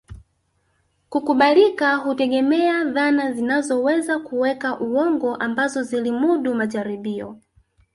Kukubalika hutegemea dhana zinazoweza kuwekewa uongo ambazo zilimudu majaribio